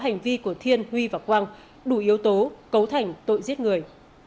nên huy và quang đủ yếu tố cấu thành tội giết người